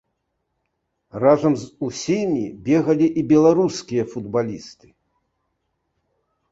Разам з усімі бегалі і беларускія футбалісты.